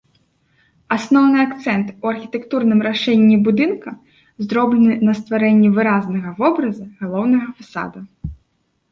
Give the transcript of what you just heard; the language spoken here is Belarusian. Асноўны акцэнт у архітэктурным рашэнні будынка зроблены на стварэнне выразнага вобраза галоўнага фасада.